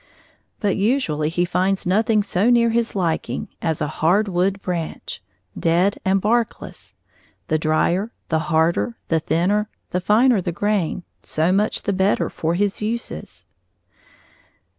But usually he finds nothing so near his liking as a hard wood branch, dead and barkless, the drier, the harder, the thinner, the finer grained, so much the better for his uses.